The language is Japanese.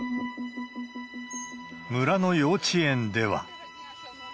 村の幼稚園では。